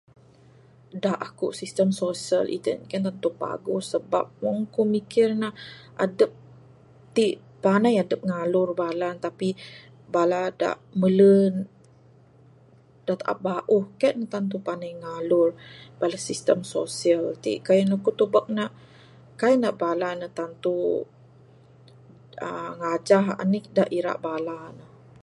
Da aku sistem sosial itin kaii ne tantu paguh sabab wang aku mikir ne adep ti panai adep ngalur bala ne tapi bala da mele da taap bauh kaii ne tantu panai ngalur bala sistem sosial ti kayuh ne aku tubek ne kaii ne bala tantu ngajah anih da ira bala ne.